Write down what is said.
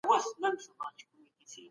صبر کول لويه ميړانه ده.